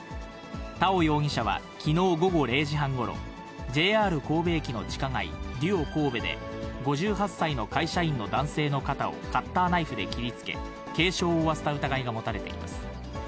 田尾容疑者はきのう午後０時半ごろ、ＪＲ神戸駅の地下街、デュオこうべで、５８歳の会社員の男性の肩をカッターナイフで切りつけ、軽傷を負わせた疑いが持たれています。